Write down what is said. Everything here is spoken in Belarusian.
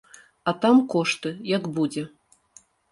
А там кошты, як будзе.